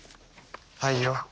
はいよ。